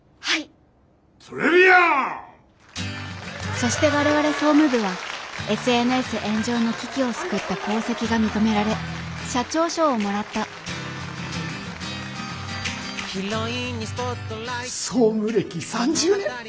そして我々総務部はＳＮＳ炎上の危機を救った功績が認められ社長賞をもらった総務歴３０年。